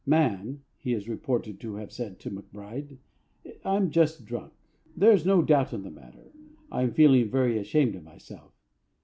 "Man," he is reported to have said to MacBryde, "I'm just drunk. There's no doubt in the matter. I'm feeling very ashamed of myself."